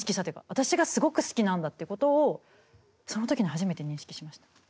私がすごく好きなんだってことをその時に初めて認識しました。